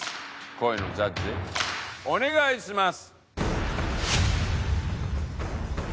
恋のジャッジお願いします。